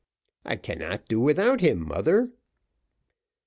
"I cannot do without him, mother."